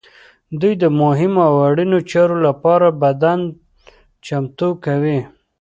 دوی د مهمو او اړینو چارو لپاره بدن چمتو کوي.